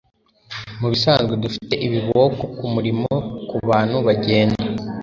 Mubisanzwe dufite ibiboko kumurimo kubantu bagenda